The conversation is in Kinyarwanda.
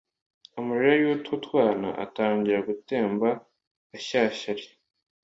Amarira y'utwo twana atangira gutemba shyashyari